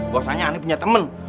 gue usahanya aneh punya temen